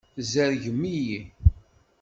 Tzerrgem-iyi.